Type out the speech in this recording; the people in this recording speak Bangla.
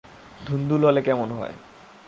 ধুন্দুল হলে কেমন হয়?